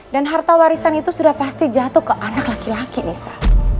harta warisan itu sudah pasti jatuh ke anak laki laki nisa